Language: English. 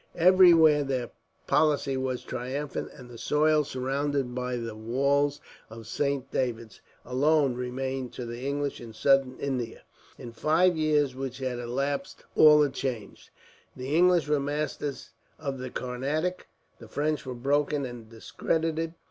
Everywhere their policy was triumphant, and the soil surrounded by the walls of Saint David's, alone, remained to the English in Southern India. In the five years which had elapsed, all had changed. The English were masters of the Carnatic. The French were broken and discredited.